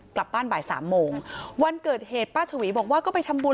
กลับบ้านบ่ายสามโมงวันเกิดเหตุป้าชวีบอกว่าก็ไปทำบุญ